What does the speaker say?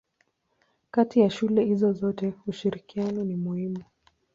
Kati ya shule hizo zote ushirikiano ni muhimu.